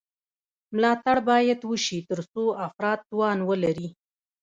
ملاتړ باید وشي ترڅو افراد توان ولري.